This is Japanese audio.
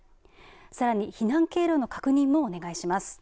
さらに、避難経路の確認もお願いします。